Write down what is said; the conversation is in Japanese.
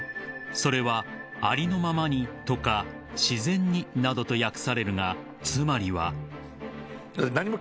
それは「ありのままに」とか「自然に」などと訳されるがつまりは］